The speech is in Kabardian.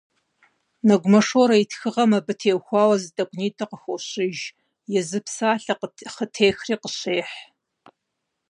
Нэгумэ Шорэ и тхыгъэм абы теухуауэ зы тӀэкӀунитӀэ къыхощыж, езы псалъэ «хъытехри» къыщехь.